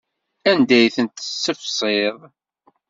Anda ay tent-tessefsiḍ?